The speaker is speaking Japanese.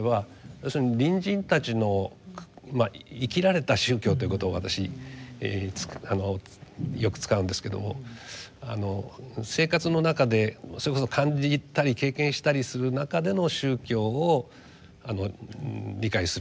要するに隣人たちの生きられた宗教という言葉を私よく使うんですけども生活の中でそれこそ感じたり経験したりする中での宗教を理解する。